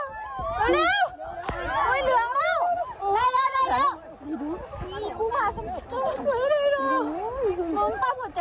มีอีกผู้มาสำเร็จ